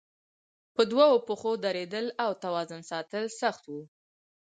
په دوو پښو درېدل او توازن ساتل سخت وو.